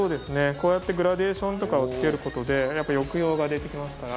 こうやってグラデーションとかを付けることでやっぱ抑揚が出てきますから。